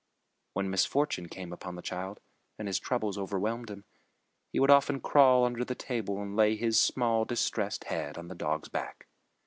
When misfortune came upon the child, and his troubles overwhelmed him, he would often crawl under the table and lay his small distressed head on the dog's back.